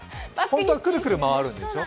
本当はくるくる回るんでしょ？